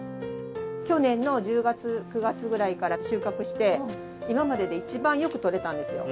去年の１０月９月ぐらいから収穫して今までで一番よく採れたんですよ。